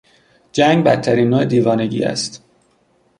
جنگ بدترین نوع دیوانگی است.